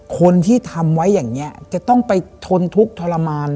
คนที่ทำไว้อย่างนี้จะต้องไปทนทุกข์ทรมาน